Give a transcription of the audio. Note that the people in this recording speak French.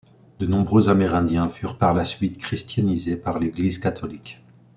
De nombreux amérindiens furent par la suite christianisé par l'église catholique.